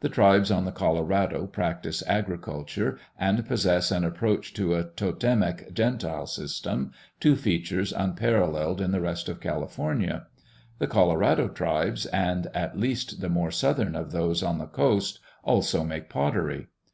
The tribes on the Colorado practice agriculture and possess an approach to a totemic gentile system, two features unparalleled in the rest of California. The Colorado tribes and at least the more southern of those on the coast also make pottery.